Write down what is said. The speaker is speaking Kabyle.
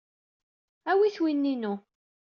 Awit win-inu.